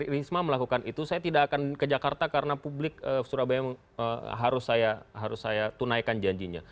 risma melakukan itu saya tidak akan ke jakarta karena publik surabaya harus saya tunaikan janjinya